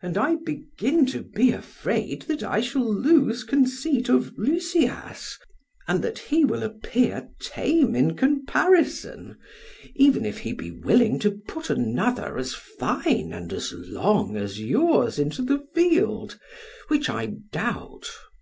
And I begin to be afraid that I shall lose conceit of Lysias, and that he will appear tame in comparison, even if he be willing to put another as fine and as long as yours into the field, which I doubt.